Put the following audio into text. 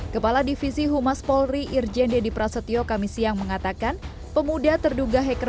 kepala divisi humas polri irjen deddy prasetyo kami siang mengatakan pemuda terduga hacker